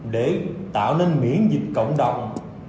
để tạo nên miễn dịch cộng đồng